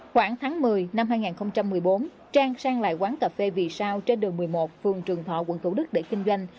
khoảng tháng một mươi năm hai nghìn một mươi bốn trang sang lại quán cà phê vì sao trên đường một mươi một phường trường thọ quận thủ đức để kinh doanh